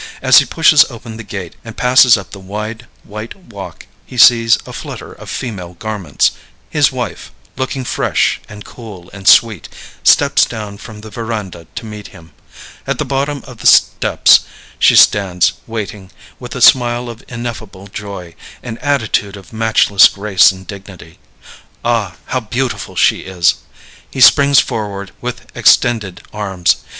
As he pushes open the gate and passes up the wide white walk he sees a flutter of female garments; his wife, looking fresh and cool and sweet, steps down from the veranda to meet him. At the bottom of the steps she stands waiting, with a smile of ineffable joy, an attitude of matchless grace and dignity. Ah, how beautiful she is! He springs forward with extended arms.